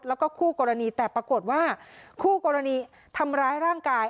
แล้วก็คู่กรณีแต่ปรากฏว่าคู่กรณีทำร้ายร่างกาย